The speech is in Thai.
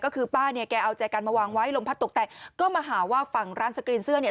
ก็คือป้าเนี่ยแกเอาใจกันมาวางไว้ลมพัดตกแตกก็มาหาว่าฝั่งร้านสกรีนเสื้อเนี่ย